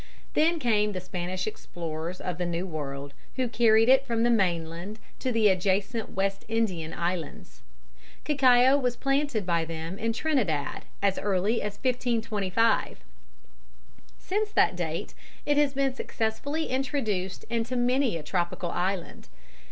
Then came the Spanish explorers of the New World, who carried it from the mainland to the adjacent West Indian islands. Cacao was planted by them in Trinidad as early as 1525. Since that date it has been successfully introduced into many a tropical island.